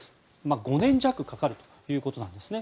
５年弱かかるということなんですね。